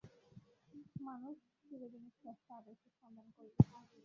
মানুষ চিরদিনই শ্রেষ্ঠ আদর্শের সন্ধান করিবে।